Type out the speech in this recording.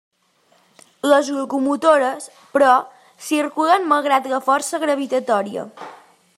Les locomotores, però, circulen malgrat la força gravitatòria.